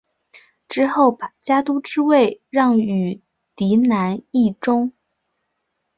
之后把家督之位让与嫡男义忠。